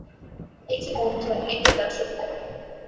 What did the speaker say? এ কী বন্ধন, এ কী দাসত্ব?